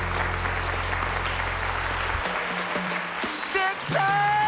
できた！